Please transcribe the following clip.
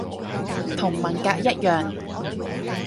同文革一樣